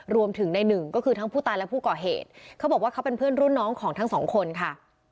รวมถึงในหนึ่งก็คือทั้งผู้ตายและผู้ก่อเหตุเขาบอกว่าเขาเป็นเพื่อนรุ่นน้องของทั้งสองคนค่ะ